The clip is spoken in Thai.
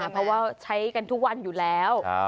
เพราะว่าใช้กันทุกวันอยู่แล้ว